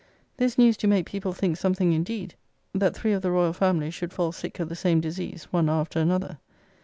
This news do make people think something indeed, that three of the Royal Family should fall sick of the same disease, one after another.